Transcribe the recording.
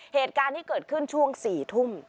เหตุการณ์ที่เกิดขึ้นช่วง๔ทุ่ม